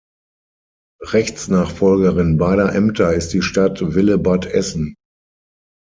Rechtsnachfolgerin beider Ämter ist die Stadt Willebadessen.